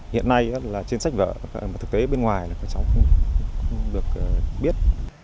hiện nay là trên sách vở mà thực tế bên ngoài là các cháu không được biết